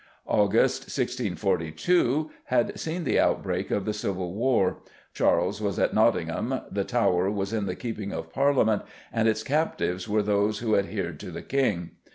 August, 1642, had seen the outbreak of the Civil War; Charles was at Nottingham; the Tower was in the keeping of Parliament, and its captives were those who adhered to the King.